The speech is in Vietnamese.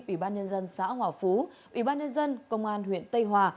ủy ban nhân dân xã hòa phú ủy ban nhân dân công an huyện tây hòa